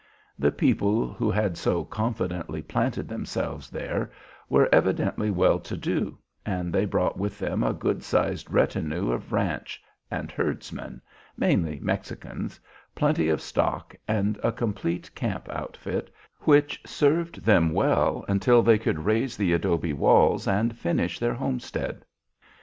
The people who had so confidently planted themselves there were evidently well to do, and they brought with them a good sized retinue of ranch and herdsmen, mainly Mexicans, plenty of "stock," and a complete "camp outfit," which served them well until they could raise the adobe walls and finish their homesteads.